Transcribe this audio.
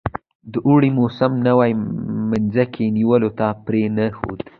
د اوړي موسم نوي مځکې نیولو ته پرې نه ښود.